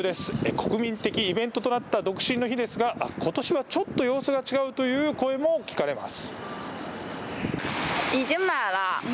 国民的イベントとなった独身の日ですが、ことしはちょっと様子が違うという声も聞かれます。